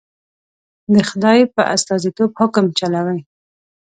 د خدای په استازیتوب حکم چلوي.